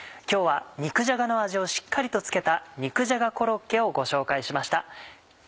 今日は肉じゃがの味をしっかりと付けた肉じゃがコロッケをご紹介しました。